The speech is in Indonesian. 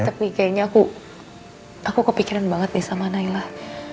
tapi kayaknya aku kepikiran banget nih sama nailah